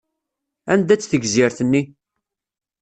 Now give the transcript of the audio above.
Anda-tt tegzirt-nni?